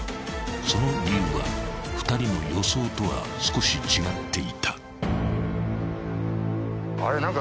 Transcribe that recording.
［その理由は２人の予想とは少し違っていた］